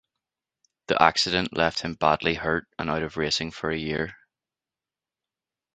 The accident left him badly hurt and out of racing for a year.